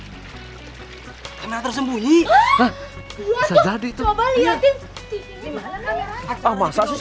hai karena tersembunyi hah jadi coba liatin